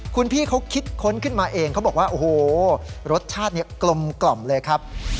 คุณพี่เขาคิดค้นขึ้นมาเองเขาบอกว่าโอ้โหรสชาติเนี่ยกลมเลยครับ